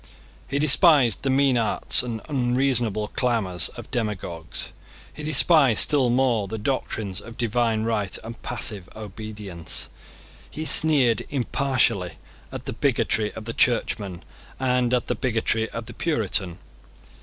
He despised the mean arts and unreasonable clamours of demagogues. He despised still more the doctrines of divine right and passive obedience. He sneered impartially at the bigotry of the Churchman and at the bigotry of the Puritan.